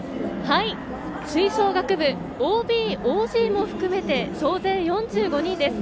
吹奏楽部、ＯＢ・ＯＧも含めて総勢４５人です。